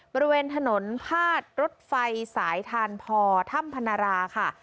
บริเวณถนนพาดรถไฟสายทานพอถ้ำพนาราค่ะ